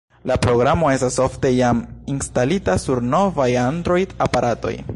La programo estas ofte jam instalita sur novaj Android-aparatoj.